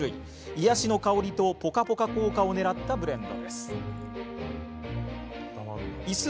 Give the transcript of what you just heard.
癒やしの香りとポカポカ効果をねらったブレンドです。